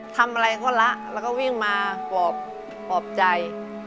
ทำอะไรเขาละแล้วก็วิ่งมาปอบใจ